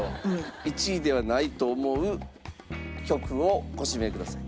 １位ではないと思う曲をご指名ください。